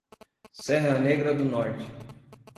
Serra Negra do Norte